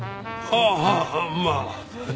ああまあ。